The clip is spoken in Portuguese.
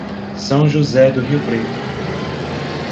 São José do Rio Preto